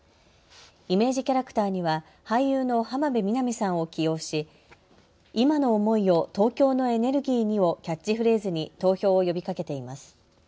イメージキャラクターには俳優の浜辺美波さんを起用し今の想いを東京のエネルギーにをキャッチフレーズに投票を呼びかけています。